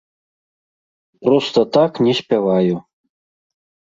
Проста так не спяваю.